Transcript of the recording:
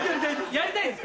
やりたいです。